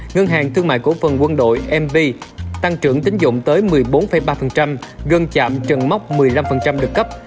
ngân hàng thương mại cổ phần quân đội mb tăng trưởng tính dụng tới một mươi bốn ba gần chạm trần mốc một mươi năm được cấp